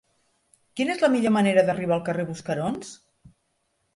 Quina és la millor manera d'arribar al carrer de Buscarons?